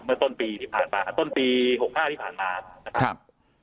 เมื่อต้นปีที่ผ่านมาต้นปี๖๕ที่ผ่านมานะครับ